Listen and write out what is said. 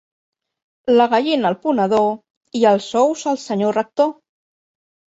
La gallina al ponedor, i els ous al senyor rector!